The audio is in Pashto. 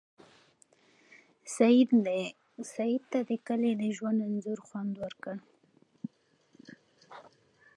سعید ته د کلي د ژوند انځورونه خوند ورکوي.